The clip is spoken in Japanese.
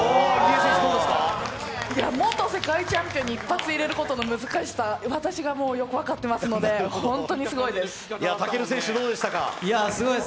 元世界チャンピオンに一発入れることの難しさ、私がよく分かってますのでホントにすごいです。